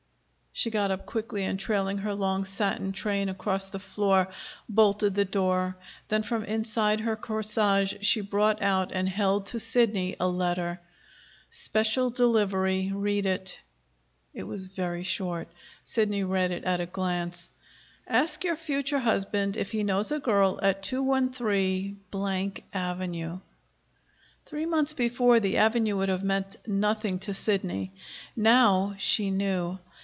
She got up quickly, and, trailing her long satin train across the floor, bolted the door. Then from inside her corsage she brought out and held to Sidney a letter. "Special delivery. Read it." It was very short; Sidney read it at a glance: Ask your future husband if he knows a girl at 213 Avenue. Three months before, the Avenue would have meant nothing to Sidney. Now she knew.